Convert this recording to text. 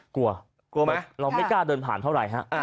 กลัวเราไม่กล้าเดินผ่านเท่าไหร่